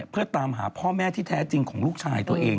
เพื่อตามหาพ่อแม่ที่แท้จริงของลูกชายตัวเอง